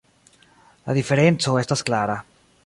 La diferenco estas klara.